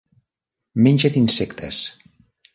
Mengen insectes.